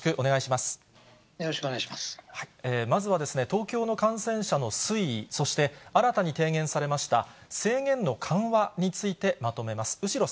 まずはですね、東京の感染者の推移、そして新たに提言されました制限の緩和についてまとめます。